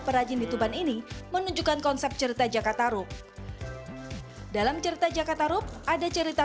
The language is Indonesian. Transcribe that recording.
perajin dituban ini menunjukkan konsep cerita jakarta rup dalam cerita jakarta rup ada cerita